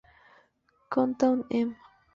Countdown", "M!